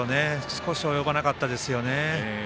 少し及ばなかったですよね。